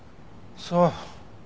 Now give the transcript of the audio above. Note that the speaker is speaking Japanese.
そう。